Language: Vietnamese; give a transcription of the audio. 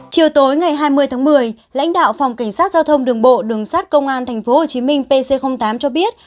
chiều tối ngày hai mươi tháng một mươi lãnh đạo phòng cảnh sát giao thông đường bộ đường sát công an tp hcm pc tám cho biết